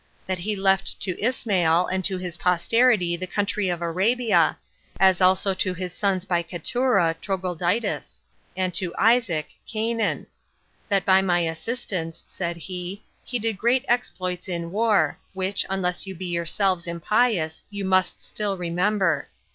That he left to Ismael and to his posterity the country of Arabia; as also to his sons by Ketura, Troglodytis; and to Isaac, Canaan. That by my assistance, said he, he did great exploits in war, which, unless you be yourselves impious, you must still remember.